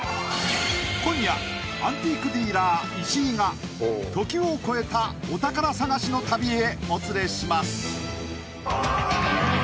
今夜アンティークディーラー石井が時を超えたお宝探しの旅へお連れします